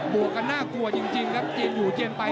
วกกันน่ากลัวจริงครับเจียนอยู่เจียนไป